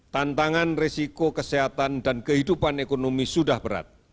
tantangan risiko kesehatan dan kehidupan ekonomi sudah berat